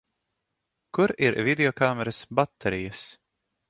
Kur ir videokameras baterijas?